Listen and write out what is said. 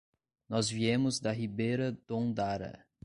Nós viemos da Ribera d'Ondara.